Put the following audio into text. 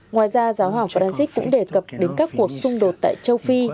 ngoài ra giáo hoàng francis cũng đề cập đến các cuộc xung đột tại châu phi